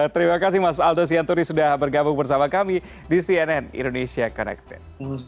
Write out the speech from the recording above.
terima kasih mas aldo sianturi sudah bergabung bersama kami di cnn indonesia connected